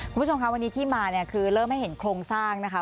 คุณผู้ชมค่ะวันนี้ที่มาเนี่ยคือเริ่มให้เห็นโครงสร้างนะคะ